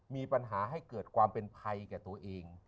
มีปัญหาให้เกิดความเป็นภัยแก่ตัวเอง